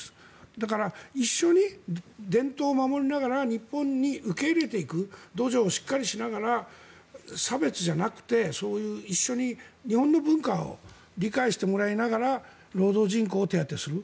だから、一緒に伝統を守りながら日本に受け入れていく土壌をしっかりしながら差別じゃなくてそういう一緒に日本の文化を理解してもらえながら労働人口を手当てする。